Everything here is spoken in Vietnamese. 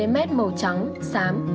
màu trắng xám